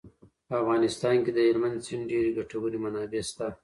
په افغانستان کې د هلمند سیند ډېرې ګټورې منابع شته.